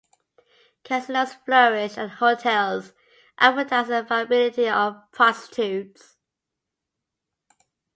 Casinos flourished and hotels advertised the availability of prostitutes.